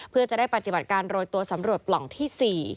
เพื่อจะได้ปฏิบัติการโรยตัวสำรวจปล่องที่๔